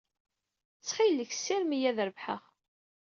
Ttxil-k, ssirem-iyi ad rebḥeɣ.